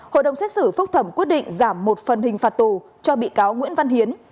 hội đồng xét xử phúc thẩm quyết định giảm một phần hình phạt tù cho bị cáo nguyễn văn hiến